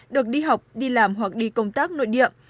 được đi học đi làm hoặc đi công tác nội địa